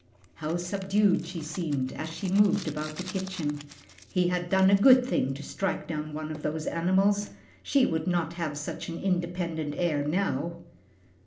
How subdued she seemed as she moved about the kitchen. He had done a good thing to strike down one of those animals. She would not have such an independent air now.